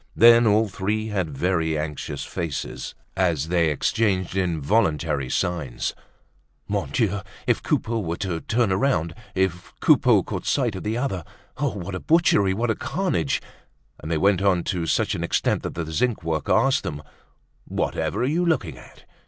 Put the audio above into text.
Then all three had very anxious faces as they exchanged involuntary signs. Mon Dieu! if Coupeau were to turn round, if Coupeau caught sight of the other! What a butchery! What carnage! And they went on to such an extent that the zinc worker asked them: "Whatever are you looking at?"